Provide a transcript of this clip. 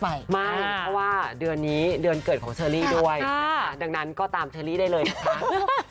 ไม่เพราะว่าเดือนนี้เดือนเกิดของเชอรี่ด้วยนะคะดังนั้นก็ตามเชอรี่ได้เลยนะคะ